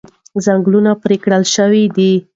ځنګلونه پرې کړل شوي دي.